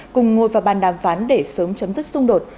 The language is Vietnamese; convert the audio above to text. cùng ngồi vào bàn đàm phán để sớm chấm dứt xung đột